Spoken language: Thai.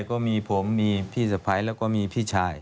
ก็มีผมมีพี่สะพ้ายแล้วก็มีพี่ชาย